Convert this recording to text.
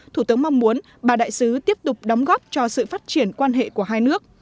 thủ tướng mong muốn bà đại sứ tiếp tục đóng góp cho sự phát triển quan hệ của hai nước